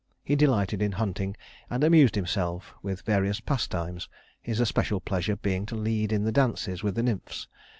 He delighted in hunting, and amused himself with various pastimes his especial pleasure being to lead in the dances with the nymphs.